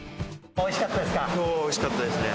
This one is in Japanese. もう、おいしかったですね。